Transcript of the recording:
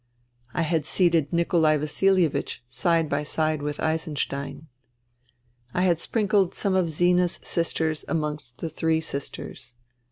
I had seated Nikolai Vasilievich side by side with Eisenstein. I had sprinkled some of Zina's sisters amongst the three sisters.